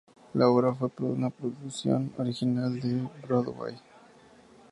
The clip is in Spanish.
La obra fue una producción original de Broadway.